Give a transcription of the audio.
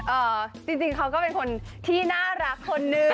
จริงเขาก็เป็นคนที่น่ารักคนนึง